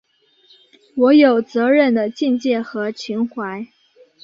我有责任的境界和情怀